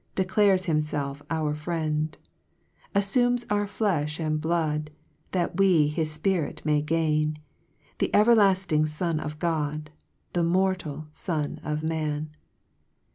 Declares hinifelf our Friend ; AlTumes our flefh and blood, That we his Spirit may gain t The everlatling Son of God, The mortal Son of Man.